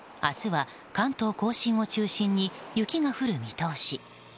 明日は関東・甲信を中心に雪が降る見通し。